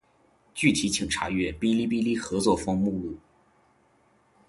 具体请查阅《哔哩哔哩合作方目录》。